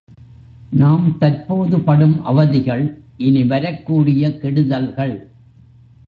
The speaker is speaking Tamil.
நாம் தற்போது படும் அவதிகள் இனி வரக்கூடிய கெடுதல்கள்.